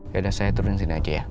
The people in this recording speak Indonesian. ya udah saya turunin sini aja ya